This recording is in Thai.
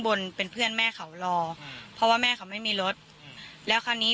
บนเป็นเพื่อนแม่เขารอเพราะว่าแม่เขาไม่มีรถอืมแล้วคราวนี้